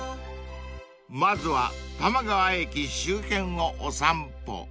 ［まずは多摩川駅周辺をお散歩］